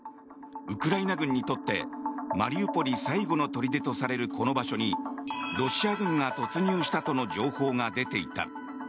ウクライナ軍にとってマリウポリ最後の砦とされるこの場所にロシア軍が突入したとの情報が出ていた。